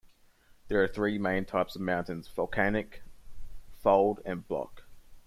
There are three main types of mountains: volcanic, fold, and block.